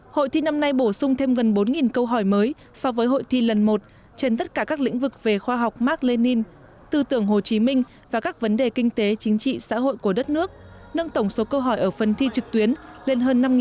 hội thi năm nay bổ sung thêm gần bốn câu hỏi mới so với hội thi lần một trên tất cả các lĩnh vực về khoa học mark lenin tư tưởng hồ chí minh và các vấn đề kinh tế chính trị xã hội của đất nước nâng tổng số câu hỏi ở phần thi trực tuyến lên hơn năm mươi